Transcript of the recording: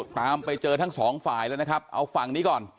ตามไปเจอทั้งสองฝ่ายแล้วนะครับเอาฝั่งนี้ก่อน